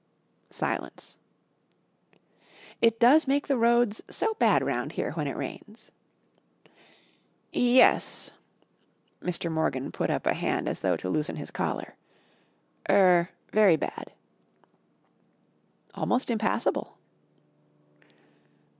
Silence. "It does make the roads so bad round here when it rains." "Yes." Mr. Morgan put up a hand as though to loosen his collar. "Er very bad." "Almost impassable."